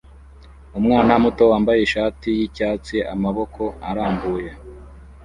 umwana muto wambaye ishati yicyatsi amaboko arambuye